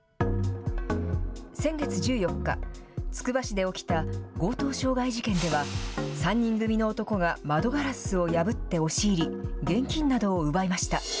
先月１４日、つくば市で起きた強盗傷害事件では、３人組の男が窓ガラスを破って押し入り、現金などを奪いました。